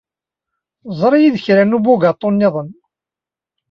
Ẓer-iyi-d kra n ubugaṭu nniḍen.